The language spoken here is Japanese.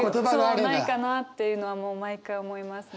ないかなっていうのはもう毎回思いますね。